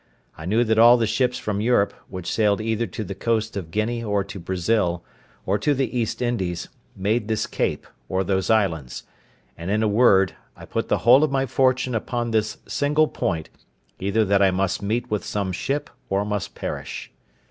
I knew that all the ships from Europe, which sailed either to the coast of Guinea or to Brazil, or to the East Indies, made this cape, or those islands; and, in a word, I put the whole of my fortune upon this single point, either that I must meet with some ship or must perish.